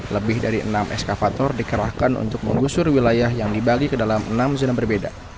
lebih dari enam eskavator dikerahkan untuk menggusur wilayah yang dibagi ke dalam enam zona berbeda